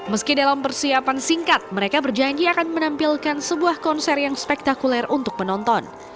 meski dalam persiapan singkat mereka berjanji akan menampilkan sebuah konser yang spektakuler untuk penonton